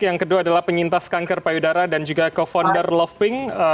yang kedua adalah penyintas kanker payudara dan juga co founder love pink